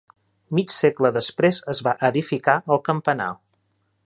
Mig segle després es va edificar el campanar.